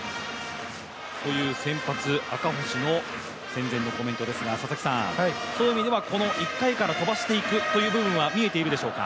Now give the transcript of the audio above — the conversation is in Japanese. という、先発・赤星の戦前のコメントですがそういう意味ではこの１回から飛ばしていくという部分は見えているでしょうか。